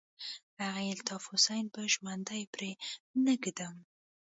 هغه الطاف حسين به ژوندى پرې نه ږدم.